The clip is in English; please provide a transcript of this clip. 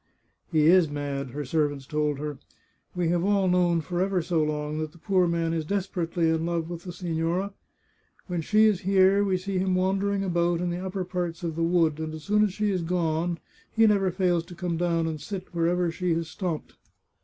" He is mad," her servants told her. " We have all known for ever so long that the poor man is desperately in love with the sig^ora. When she is here, we see him wan dering about in the upper parts of the wood, and as soon as she is gone he never fails to come down and sit wherever she has stopped.